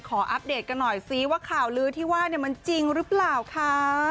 อัปเดตกันหน่อยซิว่าข่าวลือที่ว่ามันจริงหรือเปล่าคะ